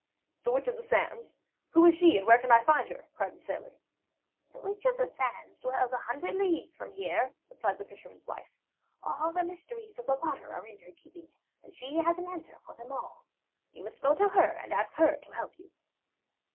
"The Witch of the Sands? Who is she and where can I find her?" cried the sailor. "The Witch of the Sands dwells a hundred leagues from here," replied the fisherman's wife. "All the mysteries of the waters are in her keeping and she has an answer for them all. You must go to her and ask her to help you."